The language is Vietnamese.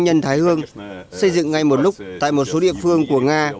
các doanh nhân thái hương xây dựng ngay một lúc tại một số địa phương của nga